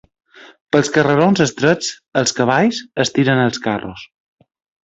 Pels carrerons estrets, els cavalls, estirant els carros